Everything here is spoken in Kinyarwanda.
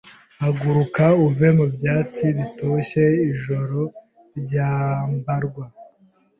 Haguruka uve mu byatsi bitoshye ijoro ryambarwa